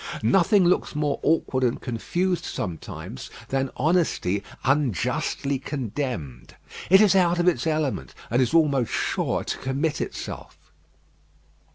Nothing looks more awkward and confused sometimes than honesty unjustly condemned. It is out of its element, and is almost sure to commit itself.